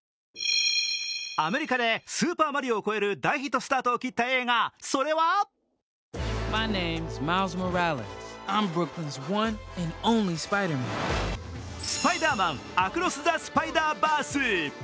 アメリカで「スーパーマリオ」を超える大ヒットスタートを切った映画、それは「スパイダーマン：アクロス・ザ・スパイダーバース」。